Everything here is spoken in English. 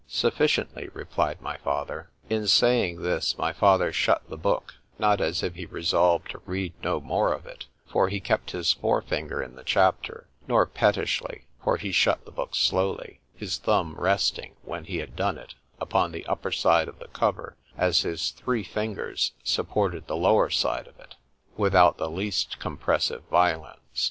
_ Sufficiently, replied my father. In saying this, my father shut the book,—not as if he resolved to read no more of it, for he kept his fore finger in the chapter:——nor pettishly,—for he shut the book slowly; his thumb resting, when he had done it, upon the upper side of the cover, as his three fingers supported the lower side of it, without the least compressive violence.